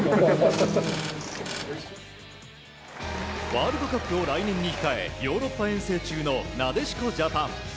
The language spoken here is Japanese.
ワールドカップを来年に控えヨーロッパ遠征中のなでしこジャパン。